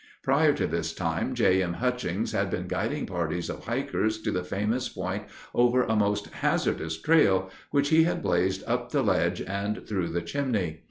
Prior to this time, J. M. Hutchings had been guiding parties of hikers to the famous Point over a most hazardous trail, which he had blazed up the Ledge and through the Chimney.